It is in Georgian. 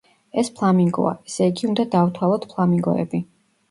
ეს ფლამინგოა. ესე იგი, უნდა დავთვალოთ ფლამინგოები.